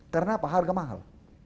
karena apa harga mahal